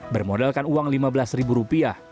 bermodalkan uang lima belas ribu rupiah